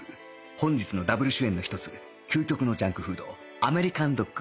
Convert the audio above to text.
本日のダブル主演の一つ究極のジャンクフードアメリカンドッグ